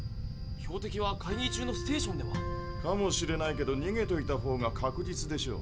標的は会議中のステーションでは？かもしれないけどにげといたほうが確実でしょ。